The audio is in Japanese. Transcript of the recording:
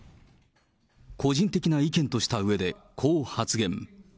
個人的な意見としたうえで、こう発言。